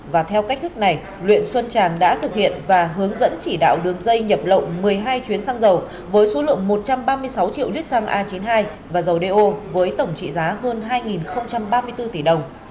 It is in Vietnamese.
và theo cách thức này huyện xuân tràng đã thực hiện và hướng dẫn chỉ đạo đường dây nhập lậu một mươi hai chuyến xăng dầu với số lượng một trăm ba mươi sáu triệu lít xăng a chín mươi hai và dầu do với tổng trị giá hơn hai ba mươi bốn tỷ đồng